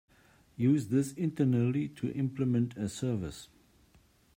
Use this internally to implement a service.